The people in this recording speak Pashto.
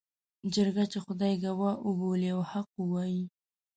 جرګه چې خدای ګواه وبولي او حق ووايي.